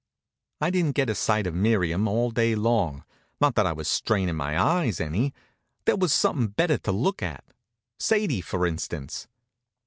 I didn't get a sight of Miriam all day long. Not that I was strainin' my eyes any. There was somethin' better to look at Sadie, for instance.